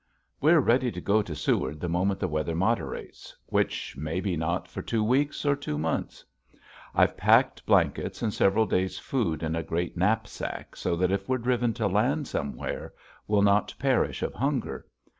We're ready to go to Seward the moment the weather moderates which may be not for two weeks or two months. I've packed blankets and several days' food in a great knapsack so that if we're driven to land somewhere we'll not perish of hunger.